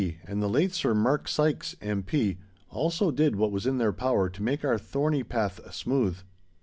and the late Sir Mark Sykes, M.P., also did what was in their power to make our thorny path smooth.